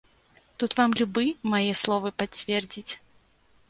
Тут вам любы мае словы пацвердзіць.